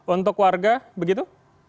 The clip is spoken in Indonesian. untuk warga begitu